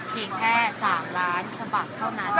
เพียงแค่๓ล้านฉบับเท่านั้น